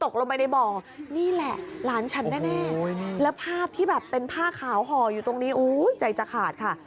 ขาวห่ออยู่ตรงนี้อุ๊ยใจจะขาดค่ะ